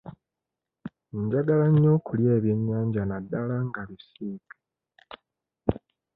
Njagala nnyo okulya ebyennyanja naddala nga bisiike.